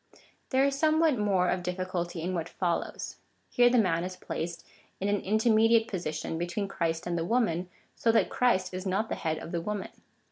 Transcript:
There is somewhat more of difficulty in what follows. Here the man is placed in an intermediate position between Christ and the woman, so that Christ is not the head of the woman.